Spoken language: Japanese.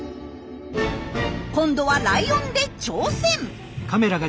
今度はライオンで挑戦！